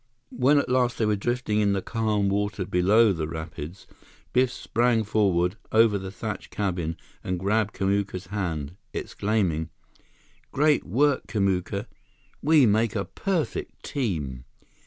When at last they were drifting in the calm water below the rapids, Biff sprang forward over the thatched cabin and grabbed Kamuka's hand, exclaiming: "Great work, Kamuka! We make a perfect team!"